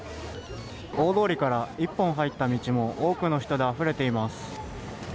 大通りから１本入った道も、多くの人であふれています。